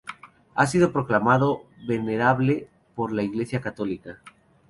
Ha sido proclamado venerable por la iglesia católica.